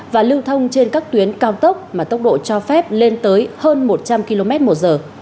và lưu thông trên các tuyến cao tốc mà tốc độ cho phép lên tới hơn một trăm linh km một giờ